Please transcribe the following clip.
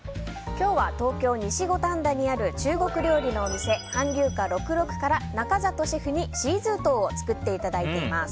今日は東京・西五反田にある中国料理のお店彬龍華６６から中里シェフにシーズートウを作っていただいています。